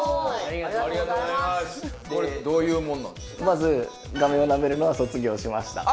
まず画面をなめるのは卒業しました。